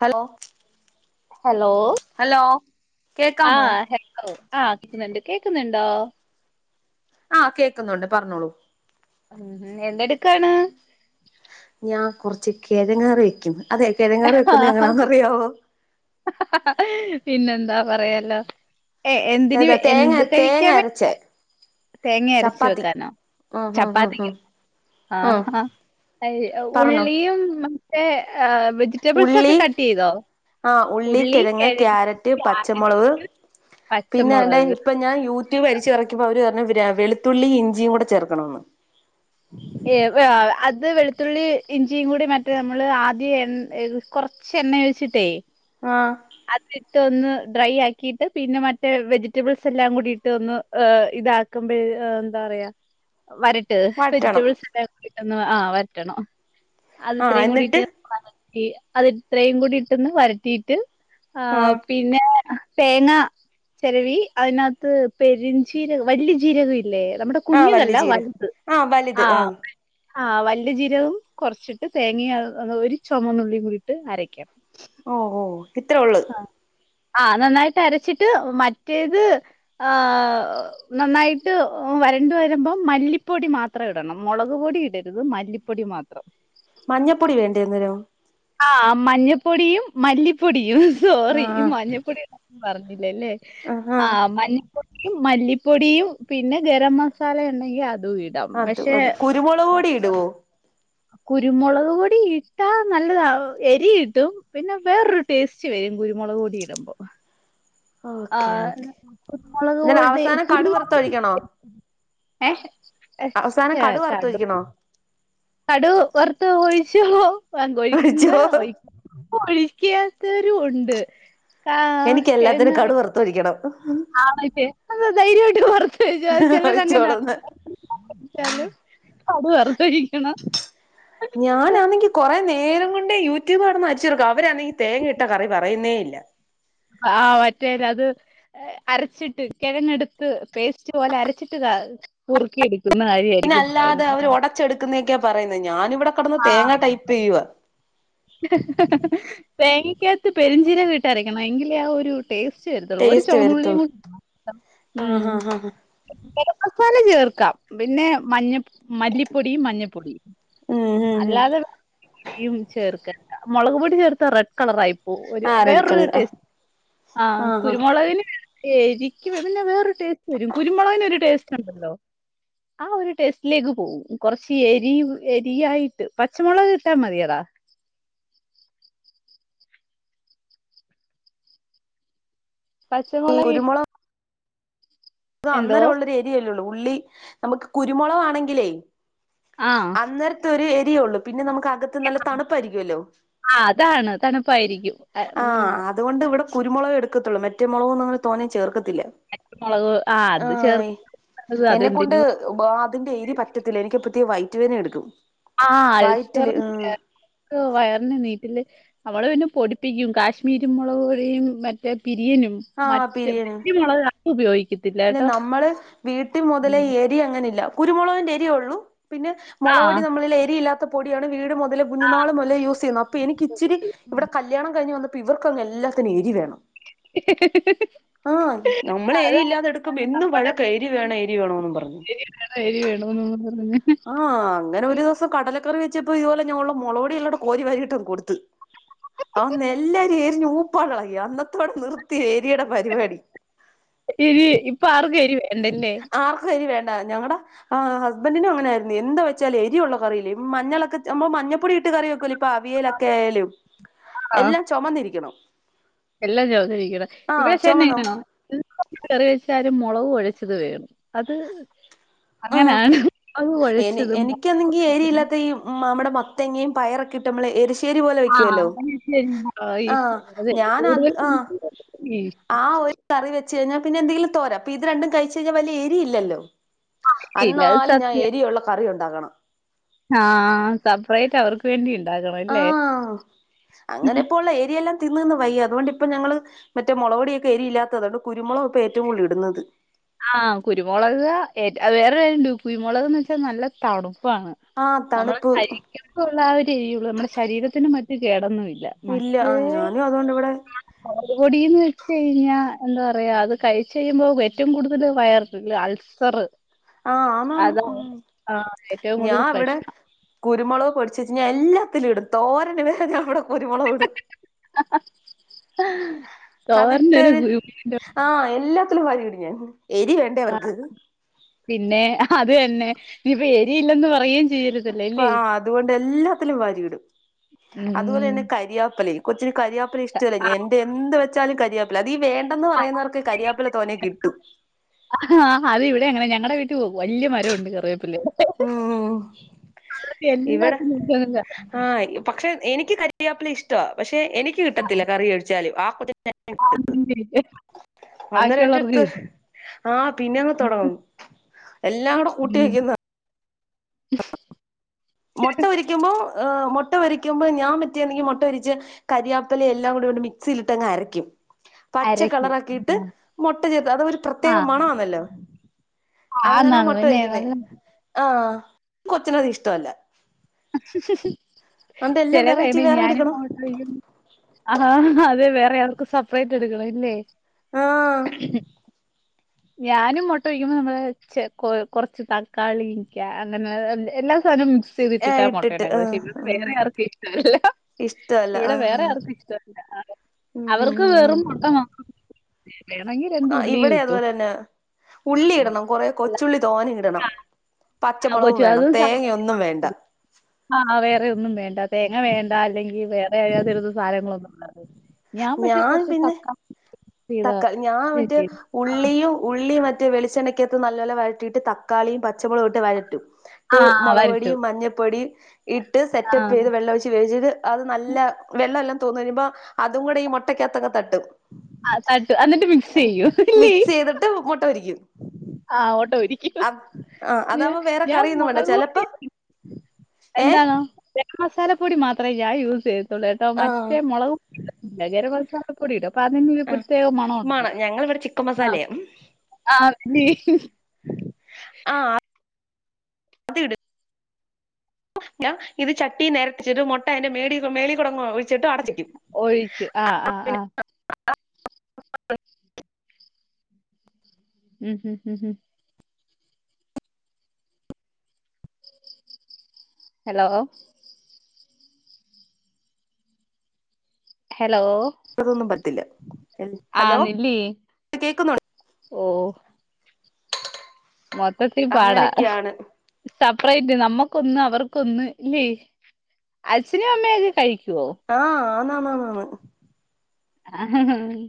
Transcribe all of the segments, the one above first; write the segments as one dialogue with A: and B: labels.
A: Hello
B: hello
A: hello
B: ആ
A: കേക്കാമോ
B: hello ആ കേക്കുന്നുണ്ട് കേക്കുന്നുണ്ടോ?
A: ആഹ് കേക്കുന്നുണ്ട് പറഞ്ഞോളൂ
B: ഉം എന്തടുക്കാണ്
A: ഞാൻ കൊറച്ച് കെഴങ്ങറി വെക്കും അതെ കെഴങ്ങറി വെക്കുന്ന
B: ആഹ്
A: എങ്ങനാന്ന് അറിയാവോ?
B: പിന്നെന്താ പറയാലോ ഏ എന്തിന്
A: അതാ തേങ്ങ
B: എന്ത് കഴിക്കാ
A: തേങ്ങ അരച്ചേ
B: തേങ്ങ അരച്
A: ചപ്പാത്തി
B: വെക്കാനോ
A: ആഹ് ഹ ഹ ഹ
B: ചപ്പാത്തിക്കോ ആഹ് ആഹ് അ
A: പറഞ്ഞോ
B: ഉള്ളള്ളിയും മറ്റേഹ വെജി
A: ഉള്ളി, ആഹ് ഉള്ളി, കിഴങ്ങ്, ക്യാരറ്റ്, പച്ച മൊളക്, പിന്നെ ദേണ്ടേ
B: പച്ചമുളക്
A: ഇപ്പൊ ഞാൻ യൂ കുറ്റ പരിച്ച് പറക്കുമ്പൾ അവര്പറഞ്ഞ വെളുത്തുള്ളി, ഇഞ്ചിയും, കൂടെ ചേർക്കണമന്ന്
B: ഏഹ് അത് വെളുത്തുള്ളി ഇഞ്ചിയും കൂടി മറ്റേ നമ്മൾ ആദ്യം എ കൊറ ചെ എണ്ണ ഒഴിച്ചിട്ടെ
A: ആഹ്
B: അതിട്ടൊന്ന് ഡ്രൈ ആക്കിട്ട് പിന്നെ മറ്റേ വെജിറ്റബിൾസ് എല്ലാം കൂടിയിട്ട് ഒന്ന്. ഏ ഇതാക്കുമ്പോഴ് ന്താ പറയാ. വരട്ട്
A: വഴറ്റണം
B: വെജിറ്റബിൾസ് എല്ലാം കൂടിട്ടൊന്ന് ആ വരട്ടണോ
A: ആഹ്
B: അത്ത്രയും
A: എന്നിട്ട്
B: കൂടിട്ട്. [unintelligible] അത് ഇത്രയും കൂടി ഇട്ടന്ന് വരറ്റീയിട്ട്. ആഹ് പിന്നെ തേങ്ങ. ചെരവി അതിനകത്ത് പെരിഞ്ചീരകം വലിയ ജീരകം ഇല്ലേ മ്മടെ
A: ആഹ് വല്യ
B: കുഞ്ഞതല്ല
A: ജീരകം
B: വൽത്
A: ആഹ് വലുത്
B: ആഹ് ആഹ് വലിയ ജീരവും കുറച്ചിട്ട് തേങ്ങയും ഒരു ചുമന്നുള്ളിയും കൂടിയിട്ട് അരക്കാ
A: ഓഹ് ഓഹ് ഇത്രേ ഒള്ള്
B: ആഹ് ആ നന്നായിട്ട് അരച്ചിട്ട് മറ്റേത് ആഹ് നന്നായിട്ട് വരണ്ട് വരുമ്പോ മല്ലിപ്പൊടി മാത്രം ഇടണം മുളക് പൊടി ഇടരുത് മല്ലിപ് പ്പൊടി മാത്രം
A: മഞ്ഞപ്പൊടി വേണ്ടേ അന്നേരം
B: ആഹ് മഞ്ഞപ്പൊടിയും മല്ലിപ്പൊടിയും
A: ആ
B: സോറി ഈ
A: ആ
B: മഞ്ഞപ്പൊടി പറഞ്ഞില്ലല്ലേ
A: ആ ആ
B: ആഹ് മഞ്ഞപ്പൊടിയും മല്ലിപ്പൊടിയും പിന്നെ ഗരം മസാല ഉണ്ടെങ്കിൽ അതും ഇടും
A: അത് അത് കുരുമുളക് പൊടി ഇടുവോ
B: കുരുമുളക് പൊടി ഇട്ടാ നല്ലതാ എരി ഇട്ടും പിന്നെ വേറൊരു ടേസ്റ്റ് വരും കുരുമുളക് പൊടി ഇടുമ്പോ
A: ഓക്കെ
B: ആഹ്
A: ഓക്കെ
B: കുരുമുളക്
A: എന്നിട്ട്
B: പൊടി
A: അവസാനം കടു
B: കുരുമുളക്
A: വറുത്തൊഴിക്കണോ അവസാനം കടു
B: [unintelligible] കടുക്‌
A: വറുത്തൊഴിക്കണോ
B: കടു വറുത്ത് ഒഴിച്ചോ [unintelligible] ഒഴിക്കുന്ന്‌
A: ഒഴിച്ചോ
B: ഒഴി ഒഴിക്കാത്തവരുംഉണ്ട് ആഹ് കെഴങ്ങു കറി
A: തൊഴിക്കണം.
B: ആ മറ്റേ ധൈര്യമായിട്ട് പറ ത് ചെലരങ്ങനെയാണ്
A: ഒഴിച്ചോളന്ന്
B: [unintelligible] ച്ചാലും കടു വറുത്തൊഴിക്കണം
A: ഞാനാണെങ്കി കൊറെ നേരം കൊണ്ട് യൂട്യൂബ് കടന്ന് അരിച്ച്പെറക്കുവ അവരാണെങ്കിൽ തേങ്ങ ഇട്ട കറി പറയുന്നേ ഇല്ല.
B: ആഹ് മറ്റേ അത് അരച്ചിട്ട് കിഴങ്ങടുത്ത് പേസ്റ്റ് പോലെ അരച്ചിട്ട് കുറുക്കി തിന്ന കാര്യവായി
A: പിന്നെ അല്ലാതെ അവര് ഒടച്ചെടുക്കുന്നതൊക്കെയാ പറയുന്നത് ഞാനിവിടെ കിടന്ന് തേങ്ങാ
B: ആഹ്
A: ടൈപ്പ് ചെയ്യുവ
B: തേങ്ങക്കകത്ത് പെരിഞ്ചീരകം ഇട്ടരക്കണം എങ്കിലെ ആ ഒരു ടേസ്റ്റ് വരുത്തുള്ളൂ ഒരു
A: ടേസ്റ്റ്
B: ചുവന്നുള്ളിയും
A: വരുത്തുള്ളൂ ആ
B: ഉം
A: ആ ആ
B: ഗരം മസാല ചേർക്കാം പിന്നെ മഞ്ഞ മല്ലിപ്പൊടിയും മഞ്ഞപ്പൊടിയും
A: ഉം ഉം ഉം
B: അല്ലാതെ ചേർക്കണ്ടാ മുളക് പൊടി ചേർത്ത റെഡ് കളർ ആയി ഒരു
A: ആ റെഡ്
B: വേറൊരു
A: കളർ ആ
B: ടേസ്റ്റ് ആഹ്
A: ആഹാ
B: കുരുമുളകിന് ഏരിക്കുംഇടുന്ന വേറൊരു ടേസ്റ്റ് വരും കുരുമുളകിനു ഒരു ടേസ്റ്റ് ഉണ്ടല്ലോ ആ ഒരു ടെസ്റ്റിലിത് പോവും കൊറച്ച് എരി എരിയായിട്ട് പച്ചമുളകിട്ടാ മതിയടാ
A: ഈ
B: പച്ചമുളകി
A: അത് അന്നേരം ഉള്ളരു എരിയല്ലേള്ളൂ ഉള്ളി നമുക്ക് കുരുമുളക് ആണെങ്കിലേ
B: ആ
A: അന്നേരത്തെ ഒരു എരി ഉള്ളു പിന്നെ നമുക്ക് അത് ത് നല്ല തണുപ്പായിരിക്കുവല്ലോ
B: ആ അതാണ് തണുപ്പായിരിക്കും അ, ഉം,
A: ആഹ് അതുകൊണ്ട് ഇവിടെ കുരുമുളകെ എടുക്കത്തുള്ളൂ മറ്റെ മുളകൊന്നും ഇവിടെ തോനെ ചേർക്കത്തില്ല.
B: മുളക് ആ അത്
A: ആഹ്
B: ചേർക്ക [unintelligible]
A: എന്നെക്കൊണ്ട്
B: അതെന്തിനോ
A: അതിന്റെ എരി പറ്റത്തില്ല എനിക്ക് പുതിയ വയറ്റി വേദന എടുക്കും.
B: ആഹ്
A: വയറ്റില് ഉം
B: അൾസറിന്റെയാ [unintelligible] വയറിന് നീറ്റല് നമ്മള് പിന്നെ പൊടിപ്പിക്കും കാശ്മീരി മുളക് പൊടിയും മറ്റേ പിരിയനും
A: ആഹ്
B: മറ്റ് മറ്റെ മുളക് [unintelligible] ഉപയോഗിക്കു
A: ല്ല നമ്മള് വീട്ടിമുതലേ എരി അങ്ങനില്ല കുരുമുളകിന്റെ എരി ഉള്ളു പിന്നെ
B: ആ
A: മുളക് പൊടി നമ്മള്ല്ല എരിയില്ലാത്ത പൊടിയാണ് വീട് മൊ
B: ആ
A: കുഞ്ഞ്ന്നാള് മുതലെ യൂസ്ചെയ്യുന്നു അപ്പൊ എനിക്കിച്ചിരി ഇവിടെ കല്യാണം കഴിഞ്ഞ് വന്ന ഇവർക്ക അങ്ങ് എല്ലാത്തിനും എരി വേണം. ആ നമ്മള
B: അതാ
A: എരിയില്ലാതെ എന്നും
B: നമ്മടെ
A: വഴക്ക. എരി വേണ എരി വേണോ എന്നും പറഞ്ഞു.
B: എരി വേണോന്ന് പറഞ്ഞ
A: ആഹ്. അങ്ങനെ ഒരു ദിവസം കടല കറിവെച്ചപ്പോ ഇതുപോലെ ഞാനുള്ള മുളവടിള്ളോടെ കോരി വരിയിട്ടന്ന് കൊടുത്ത് അന്ന് എല്ലാരും എരിഞ്ഞ പ്പാടളക്കി. അന്നത്തോടെ നിർത്തി ഏരിയുടെ പരിപാടി
B: എരി. ഇപ്പൊ ആർക്കരി വേണ്ടല്ലേ.
A: ഇപ്പ എരി വേണ്ട. ഞങ്ങളുടെ ആഹ്. ഹസ്ബൻറിനും അങ്ങനെയയിരുന്നു. എന്താ വെച്ചല് എരിയള്ള കറിയില്ലേ മഞ്ഞളൊക്കെ മഞ്ഞപ്പൊടിയിട്ട് കറിയക്കല്ല ഇപ്പൊ
B: ആ
A: അവിയലൊക്കെ ആയാലും.
B: ആ
A: എല്ലാം ചുമന്നിരിക്കണം
B: എല്ലാം ചോമനിരിക്കണം. ഇവിടെ ചെന്നൈനോ. കറി വെച്ചാല മുളക് ഒഴച്ചത് വേണം. അത്
A: ആഹ്.
B: അങ്ങനാണ് മുളക്
A: എനി
B: കുഴച്ചതും
A: എനിക്കണെങ്കി ഏരിയില്ലാത്തഈ നമ്മുടെ മത്തേങ്ങയും പയറൊക്കെ ഇട്ട് നമ്മള് എരി ശെരി പോലെ
B: ആ
A: വെക്കുവല്ലോ.
B: ശരി. ഈ
A: ആ
B: അതെ
A: ഞൻ ആ
B: കൂടുതലും ഈ
A: ആ കറി വെച്ച് കഴഞ്ഞാൽ പിന്നെന്തെങ്കിലും തോര. അപ്പ ഇത് രണ്ടും കഴച്ച് കഴിഞ്ഞാൽ വല്ലിയ എരി ഇല്ലല്ലോ.
B: ഇല്ല അത്
A: എന്നാല് ഞാൻ എരിയുള്ള കറി ഉണ്ടാക്കണം.
B: ആഹ് സപ്പറേറ്റ് അവർക്ക് വേണ്ടി ഉണ്ടാക്കണംല്ലേ.
A: ഇപ്പോൾ ഒള്ള എരിയെല്ലാം തിന്ന്നിന്ന് വയ്യ. അതുകൊണ്ട് ഇപ്പം ഞങ്ങള് മറ്റേ മുളക പൊടൊക്കെ എരില്ലാത്തതുകണ്ട്. കുരുുളക ഇപ്പോ ഏറ്റവും കൂടുതൽ ഇടുന്നത്
B: ആഹ് കുരുമുളക അത് വേറെ കാര്യയണ്ട്. കുരുമുളക്ന്ന് വെച്ചാൽ നല്ല തണുപ്പാണ്.
A: ആഹ് തണുപ്പ്
B: നമ്മള്രിക്കഴിക്കത്തള്ള ആ എര്യുള്ളൂ നമ്മുടെ ശരീരത്തിന് മറ്റു കേടൊന്നുംല്ല.
A: ഇല്ല. ആ ഞാനും അതുകൊണ്ട് ഇവിടെ
B: മുളക്പൊടിന്ന് വെച്ച് കഴിഞ്ഞാ എന്താ പറയാ. അത് കഴിച്ച കഴിയുമ്പോ ഏറ്റവും കൂടുതൽ വയറു അൾസർ
A: ആഹ ആന്നാന്ന്.
B: അതാ
A: ഉം.
B: ആഹ് ഏറ്റവും
A: ഞാ
B: കൂടുതൽ
A: ഇവിടെ
B: പ്രശ്നം
A: കുരുമുക് പൊടിച്ചെച്ച് എല്ലാത്തിലും ഇടും. തോരന് വരെ ഞവിടെ കുരുമുളക് ഇടും.
B: തോരനൊരു
A: അത്ട്ടേത്
B: ഗുരുമുണ്ട്.
A: ആഹ്. എല്ലാത്തിലും വിരി ഇടും ഞാൻ. എരി വേണ്ടേ അവർക്ക്.
B: പിന്നെ. അത് തന്നെ. നീപ്പ എരിയില്ലന്ന് പറയും
A: അപ്പ അതുകൊണ്ട് എല്ലാത്തിലും വരിയിടും. അതുപോലെ
B: ഉം
A: തന്നെ കരിയാപ്പലയും. കൊച്ചിന് കരിയാപ്പില ഇഷ്ടല്ല. എന്റെ എന്ത് വെച്ചാലും കരിയാപ്പ അത് വേണ്ടന്ന് പറയുന്നവർക്ക് കരിയാപ്പില തോനെ കിട്ടും.
B: ആ അത് ഇവിടെ അങ്ങനെ. ഞങ്ങളടെ വീട്ടിൽ വല്യ മരംണ്ട് കറിയപ്പല്ല
A: ഉം
B: അ
A: ഇവിടെ
B: എല്ലാത്തിലും
A: ആഹ് പക്ഷെ എനിക്ക് കറിേപ്പല ഇഷ്ടമാണ്. പക്ഷെ എനിക്ക് കിട്ടത്തില്ല കറിയടിച്ചാലും ആ കു
B: ആ ബാക്കിയുള്ളവർക്ക്
A: അന്നരന്റടുത്ത്
B: കിട്ടും
A: ആഹ് പിന്നെ അങ്ങ് തുടങ്ങും എല്ലാം കൂടെ കൂട്ടി
B: ഉം
A: വക്കുന്ന മുട്ട പൊരിക്കുമ്പോ മുട്ട പൊരിക്കുമ്പോ ഞാ പറ്റിയ ണെങ്കിൽ മുട്ട പൊരിച്ച് കരിയാപ്പല എല്ലാം കൂടിണ്ട് മിക്സിയിലിട്ടങ്ങ് അരക്കും. പച്ച
B: അരക്ക്
A: കളറാക്കിയിട്ട്
B: ആഹ്
A: മുട്ട ചേർത്ത് അതൊ ഒരു പ്രത്യേകം
B: ആഹ്
A: മണമാണല്ലോ. അങ്ങനാ
B: ആന്നാന്ന്
A: മുട്ട
B: തന്നെ
A: പൊരിക്കുന്ന.
B: നല്ല
A: ആഹ്. കൊച്ചിനത് ഇഷ്ടമല്ല. അന്റെ എല്ലാം
B: ചില
A: വെറൈറ്റി
B: കഴഞ്ഞ
A: വേറെ
B: ഞാനും
A: എടുക്കണം
B: ആഹ്. അതെ വേറെവർക്കും സെപ്പറേറ്റ് എടുക്കണംല്ലേ.
A: ആഹ്
B: ഞാനും മുട്ട പൊരിക്കുമ്പോ നമ്മള് കൊ കുറച്ച് തക്കാളിക്ക അങ്ങനെ എല്ലാ സധനവും
A: ഏഹ്
B: സിരിച്ചിട്ടാ മൊട്ട
A: ഇട്ടിട്ട്
B: ഇണ്ടാക്കുന്നത് പക്ഷെ
A: ആഹ്
B: ഇ
A: ആഹ്
B: വേറെ ആർക്കും ഇഷ്ടല്ല.
A: ഇഷ്ടല്ല
B: ഇവിടെ
A: ആഹ്
B: വേറെ
A: ആഹ്
B: ആർക്കും ഇഷ്ട അല്ല.
A: ഉം ഉം
B: അവർക്ക്
A: ഉം
B: വെറും
A: ഉം
B: മുട്ടമാ വേണെങ്കി രണ്ട്
A: ആഹ്
B: ഉള്ളി
A: ഇവിടെ
B: ഇട്ടോ
A: അതുപോലെ തന്നെ ഉള്ളി ഇടണം കൊറെ കൊച്ചുള്ളി തോനെ ഇടണം പച്ചമുളകും
B: കൊച്ചു
A: വേണം തേങ്ങയൊന്നും വേണ്ട
B: ആഹ്‌ വേറെ ഒന്നും വേണ്ട തേങ്ങ വേണ്ട അല്ലെങ്കിൽ വേറെ അത് ത് സാധങ്ങളൊന്നും [unintelligible] ഞാൻ പക്ഷെ കൊറച്ച് തക്കാ
A: തക്കാ ഞാൻ മറ്റേ
B: ആ
A: ഉള്ളിയും ഉള്ളി മറ്റെ വെളിച്ചെണ്ണക്കകത്ത് നല്ലപോലെ വയറ്റിയിട്ട് തക്കാളീം പച്ചമുളകും ഇട്ട് വയറ്റും.
B: ആ
A: ഇട്ട് മുളക്
B: വരട്ടും.
A: പൊടിയും മഞ്ഞപ്പൊടിയും ഇട്ട്
B: ആ
A: സെറ്റപ്പ് ചെയ്ത് വെള്ള ഒഴിച്ച് വേവിച്ചിട്ട് അത് നല്ല വെള്ളമെല്ലാം തോന്ന് കയ്യുമ്പോ അതും കൂടെ ഈ മൊട്ടക്കകത്ത് തട്ടും.
B: ആ, തട്ടും. എന്നിട്ട് മിക്സ് ചെയ്യും.
A: മിക്സെയ്തിട്ട് മുട്ട പൊരിക്കും
B: ആഹ്‌ ഓട്ട പൊരിക്കും
A: ആ
B: യോ
A: അതാവുമ്പോ വേറെ
B: ഞാൻ
A: കറിയൊന്നും വേണ്ട ചെലപ്പോ
B: മൊളക്പൊടി [unintelligible]
A: ഏ
B: എന്താണോ ഖരം മസാലപ്പൊടി മാത്രമേ ഞാൻ യൂസ് ചെയ്യത്തൊള്ളൂ കേട്ടോ
A: ആ
B: മറ്റേ [unintelligible] നഖരമസാലം പൊടിയിടും അപ്പ അതിന്
A: ആ
B: പ്രത്യേക മണ
A: മാണം ഞങ്ങളിവിടെ ചിക്കൻ
B: ആഹ്
A: മസാലയാ
B: ആഹ് അതിന്
A: ആഹ് അ ഞാൻ ഇത് ചട്ടി നെറച്ചിട്ട് മൊട്ട അതിന്റെ മേടി മേളിക്കുടങ്ങൊഴിച്ചിട്ട് അടച്ചെക്കും
B: ഒഴിച്ച് ആ
A: അ
B: ആ ആ. ഉം ഉം ഉം ഉം ഹലോ ഹലോ
A: വടെതൊന്നും പറ്റില്ല
B: ആഹ്‌
A: ഹലോ
B: ന്ന്ല്ലേ
A: കേക്കുന്നുണ്ട്
B: ഓഹ്‌ മൊത്തത്തി പാടാ
A: അങ്ങനെയൊക്കെയാണ്
B: സെപ്പറേറ്റ് നമ്മക്കൊന്ന് അവർക്കൊന്ന് ഇല്ലേ അച്ഛനും അമ്മയൊക്കെ കഴിക്കൊ?
A: ആഹ് ആന്നാ ന്നാ ന്നാ ന്ന്
B: ആഹ്‌ ഹ്‌ ഹ്‌ ഹ്‌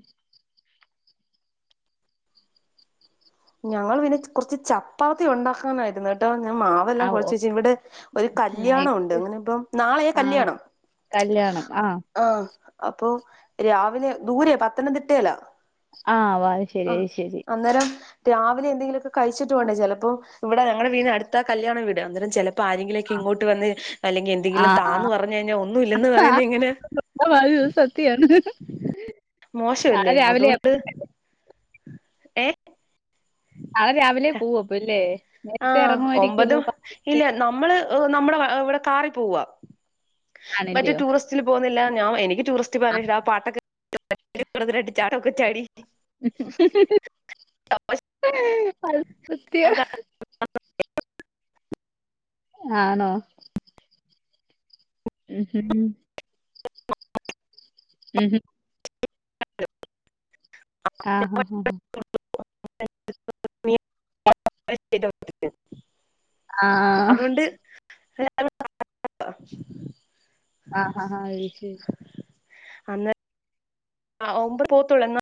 A: ഞങ്ങള് പിന്നെ കൊറച്ച് ചപ്പാത്തി ഉണ്ടാക്കാനായിരുന്ന് കേ ട്ടോ ഞാൻ
B: ആ
A: മാവെല്ലാം
B: ഓ
A: കൊഴച്ച് വെച്ച് ഇവിടെ ഒരു കല്യാണം
B: നൈസ്.
A: ഉണ്ട് അങ്ങനെ ഇപ്പം നാളെയാ കല്യാണം
B: കല്ല്യാണം ആഹ്‌
A: ആഹ്‌ അപ്പൊ രാവിലെ ദൂരെ പത്തനംതിട്ടേലാ
B: ആഹ് വാഴശ്ശേരി
A: ആഹ്‌
B: അയ്ശേരി
A: അന്നേരം രാവിലെ എന്തെങ്കിലൊക്കെ കഴിച്ചിട്ട് വേണ്ടേ ചെലപ്പോ ഇവിടെ ഞങ്ങടെ വീടിനടുത്ത കല്യാണം വീട് അന്നേരം ചെലപ്പോ ആരെ ങ്കിലൊക്കെ ഇങ്ങോട്ട് വന്ന് അല്ലെങ്കി എന്തെങ്കിലും
B: ആഹ്
A: താന്ന് പറഞ്ഞു കഴിഞ്ഞാ ഒന്നും ഇല്ലെന്ന് പറയുന്നെ എങ്ങനെ?
B: നിങ്ങൾ പറയുന്ന സത്യയാണ് നാളെ
A: മോശമല്ലേ
B: രാവിലെ
A: അതുകൊണ്ട്
B: [unintelligible]
A: ഏഹ്
B: നാളെ രാവിലെ പോവും അപ്പല്ലേ നേരത്തെ
A: ആഹ്‌ ഒമ്പത്
B: എറങ്ങുമായിരിക്കല്ലോ
A: ഇല്ല നമ്മള് നമ്മുടെ വ ഇവിടെ കാറി പോവാ മറ്റെ
B: ആണല്ലയോ
A: ടൂറിസ് റ്റ്ല് പോവുന്നില്ല ഞാൻ എനിക്ക് ടൂറിസ്റ്റ് [unintelligible] ആ പാട്ടൊക്കെ കേട്ട് ഒന്ന് രണ്ട് ചാട്ടൊക്കെ ചാടി
B: [unintelligible] ആണോ ഉം ഉം ഉം ഉം ഉം ആഹ്
A: [inaudible]
B: ആഹ്
A: അതുകൊണ്ട് [unintelligible]
B: ആഹ് ആഹ്‌ ആഹ്‌ അയിശെരി
A: അന്ന് ഒമ്പത് പോത്തുള്ളൂ എന്ന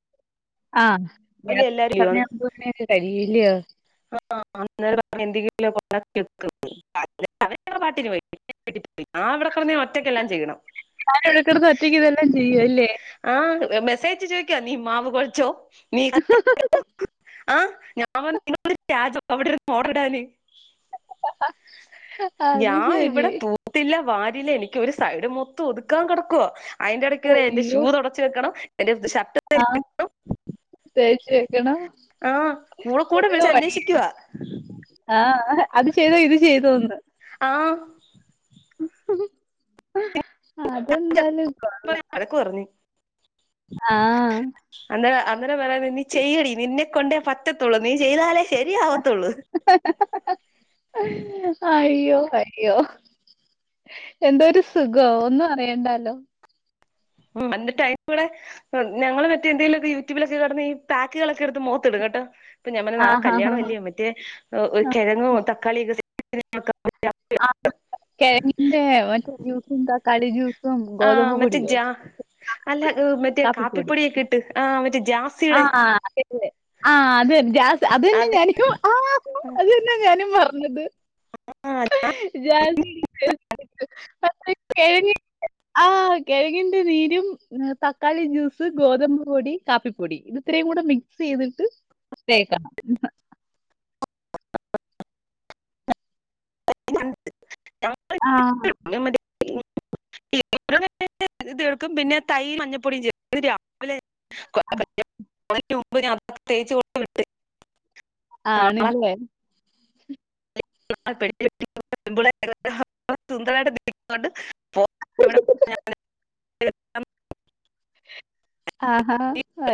B: ആഹ്‌ യാത്ര സമയാവുമ്പോത് നൊക്കെ കഴിയില്ലേ
A: ആഹ്‌ അന്നേരം എന്തെങ്കി [unintelligible] പാട്ടിന് പോയി [unintelligible] ഞാവ്ടെ കടന്ന് ഒറ്റക്കെല്ലാം ചെയ്യണം
B: താന് അവിടെകടന്ന് ഒറ്റക്കക്ക്തെല്ലാം ചെയ്യുംല്ലേ
A: ആഹ്‌ മെസ്സേജ് ചോയിക്കാ നീ മാവ് കുഴച്ചോ നീ ആ ഞാൻ പറഞ്ഞ് നീ അവിടെ മോട്ടറ് ഇടാന്
B: അത്
A: ഞാൻ
B: ശരി
A: ഇവിടെ പോ തൂത്തില്ല വാരിയില്ല എനിക്ക് ഒരു സൈഡ് മൊത്തം ഒതുക്കാൻ കിടക്കുവോ അയിന്റെ ഇടക്ക് എന്റെ ഷൂ
B: അയ്യോ
A: തൊടക്കാൻ തൊടച്ചു വെക്കണം എന്റെ ഷർട്ട്
B: ആഹ് തേച്ച് വെക്കണം
A: ആഹ് മോള് കൂടെ
B: ഫുള്ള്
A: വിളിച്ച്
B: പണിയാ
A: അന്വേഷിക്കുവാ
B: ആ ആഹ് അത് ചെയ്തോ ഇത് ചെയ്തോന്ന്
A: ആഹ്
B: അതെന്തായാലും കൊളളാം
A: അതൊക്കെ കുറഞ്ഞു
B: ആഹ് ആ
A: അന്നേ അന്നേരം പറയാ നീ ചെയ്യടി നിന്നെ കൊണ്ടേ പറ്റത്തുള്ളൂ നീ ചെയ്താലേ ശരിയാവത്തുള്ളൂ
B: ഹ ഹ ഹ ഹ അയ്യോ അയ്യോ എന്തോരു സുഖം ഒന്നും അറിയണ്ടല്ലോ
A: എന്നിട്ട് അയ്കൂടെ ഞങ്ങള് മറ്റേ എന്തെങ്കിലും യൂട്യൂബിലൊക്കെ കിടന്ന് ഈ പാക്കുകളൊക്കെ എടുത്ത് മോത്ത് ഇടും കേട്ടോ അപ്പൊ ഞാൻ പറഞ്ഞു നാളെ
B: ആഹ് ആഹ്
A: കല്യാണം അല്ലേ മറ്റേ ഒരു
B: ആഹ്
A: കിഴങ്ങ് തക്കാളിയൊക്കെ
B: ആ കിഴങ്ങിന്റെ മറ്റേ യൂസ് എന്താ
A: ആ മറ്റേ ജാ അല്ല മറ്റേ കാപ്പി പൊടിയൊക്കിട്ട് ആ മറ്റെ ജാസ്
B: ആ അതെ അതെ ആ അത് അത് തന്നെ ഞാൻ ഹാ അയ്യോ അത് തന്നെ അത് ഞാനും പറഞ്ഞത്
A: ആഹ്
B: കിഴങ്ങിൻ്റെ ആ കിഴങ്ങിന്റെ നീരും തക്കാളി ജ്യൂസ് ഗോതമ്പ് പൊടി കാപ്പിപ്പൊടി പൊടി ഇത്രയും കൂടെ മിക്സ് ചെയ്തിട്ട് തേക്കണം
A: [unintelligible]
B: ആഹ് ഹ്
A: ഞാൻ മറ്റേ ഇത് എടുക്കും പിന്നെ തൈര് മഞ്ഞപ്പൊടിയും ചേർക്കും രാവിലെ മുമ്പ് അതൊക്കെ തേച്ച് കൊടുക്കും
B: ആണ് ല്ലേ
A: [unintelligible] സുന്ദരമായിട്ട് നിക്കുന്നുണ്ട്
B: ഹ ഹ ഹ ആഹാ ഹ